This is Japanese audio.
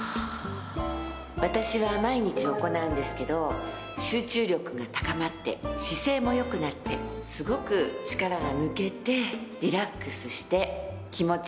私は毎日行うんですけど集中力が高まって姿勢も良くなってすごく力が抜けてリラックスして気持ちいいんです。